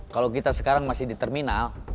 kalau kita sekarang masih di terminal